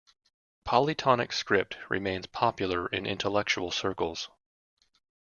Polytonic script remains popular in intellectual circles.